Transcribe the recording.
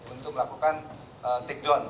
untuk melakukan take down